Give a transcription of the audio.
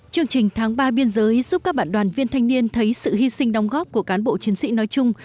chương trình tháng ba biên giới giúp các bạn đoàn viên thanh niên thấy sự hy sinh đóng góp của cán bộ chiến sĩ nói chung